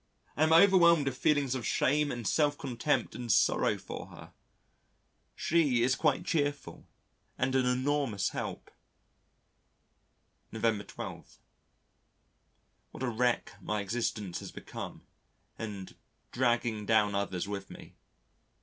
I am overwhelmed with feelings of shame and self contempt and sorrow for her. She is quite cheerful and an enormous help. November 12. What a wreck my existence has become and dragging down others with me.